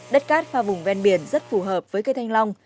đất cát và vùng ven biển rất phù hợp với cây thanh long